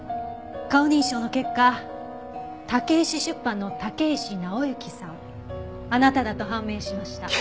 顔認証の結果武石出版の武石直之さんあなただと判明しました。